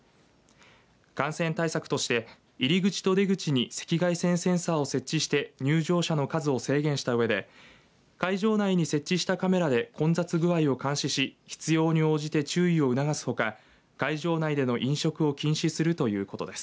感染対策として、入り口と出口に赤外線センサーを設置して入場者の数を制限したうえで会場内に設置したカメラで混雑具合を監視し必要に応じて注意を促すほか会場内での飲食を禁止するということです。